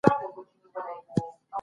څه به یې کړمه له حیا پرېولي لوڅي نجوني